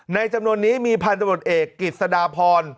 ในจำนวนนี้มีพันตำรวจเอกกิตศดาพร